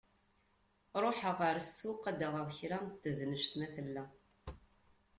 Ruḥeɣ ɣer ssuq ad d-aɣeɣ kra n tednect ma tella.